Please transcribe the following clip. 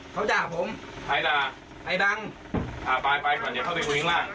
เขาด่าผมใครด่าใครดังอ่าไปไปก่อนเดี๋ยวเข้าไปคุยข้างล่าง